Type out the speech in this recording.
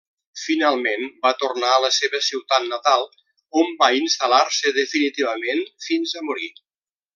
Finalment va tornar a la seva ciutat natal, on va instal·lar-se definitivament fins a morir.